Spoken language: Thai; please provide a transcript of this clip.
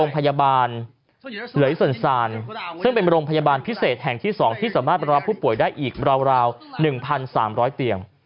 โรงพยาบาลเหลยสนซานซึ่งเป็นโรงพยาบาลพิเศษแห่งที่๒ที่สามารถรับผู้ป่วยได้อีกราว๑๓๐๐เตียง